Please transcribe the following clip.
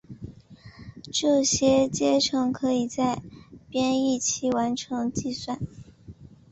这些阶乘可以在编译期完成计算。